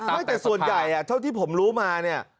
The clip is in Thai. ไม่แต่ส่วนใหญ่เท่าที่ผมรู้มาเนี่ย